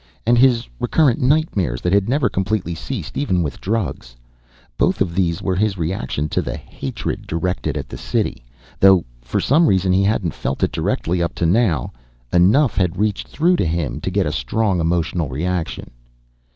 And his recurrent nightmares that had never completely ceased, even with drugs. Both of these were his reaction to the hatred directed at the city. Though for some reason he hadn't felt it directly up to now, enough had reached through to him to get a strong emotional reaction.